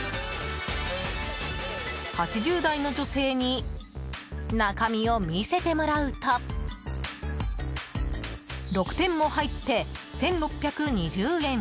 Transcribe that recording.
８０代の女性に中身を見せてもらうと６点も入って１６２０円。